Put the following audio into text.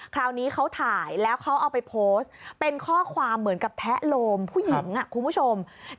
คราวนี้เขาถ่ายแล้วเขาเอาไปโพสต์เป็นข้อความเหมือนกับแทะโลมผู้หญิงคุณผู้ชม